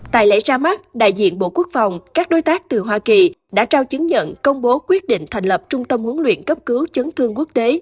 tại lễ ra mắt đại diện bộ quốc phòng các đối tác từ hoa kỳ đã trao chứng nhận công bố quyết định thành lập trung tâm huấn luyện cấp cứu chấn thương quốc tế